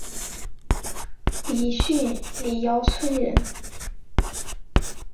李迅李姚村人。